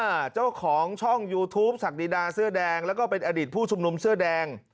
เจ้าของช่องยูทูปศศักดีดาเสื้อแดงแล้วก็เป็นอดีตผู้ชุมนุมเสื้อแดง